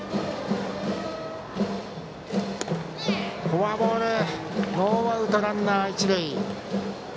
フォアボールノーアウトランナー、一塁。